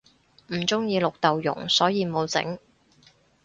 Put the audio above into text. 唔鍾意綠豆蓉所以無整